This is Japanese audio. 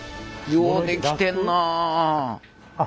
よう出来てんなあ。